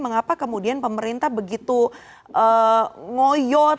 mengapa kemudian pemerintah begitu ngoyot